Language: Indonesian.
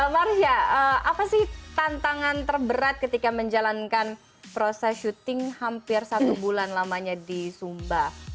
marsya apa sih tantangan terberat ketika menjalankan proses syuting hampir satu bulan lamanya di sumba